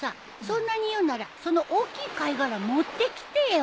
そんなに言うならその大きい貝殻持ってきてよ。